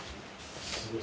すごい。